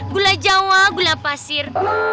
gula jawa gula pasir